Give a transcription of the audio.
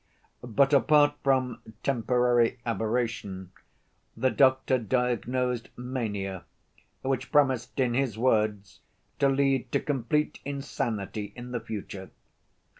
But apart from temporary aberration, the doctor diagnosed mania, which premised, in his words, to lead to complete insanity in the future.